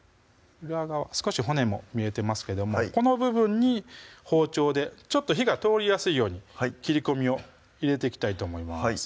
裏側少し骨も見えてますけどもこの部分に包丁でちょっと火が通りやすいように切り込みを入れていきたいと思います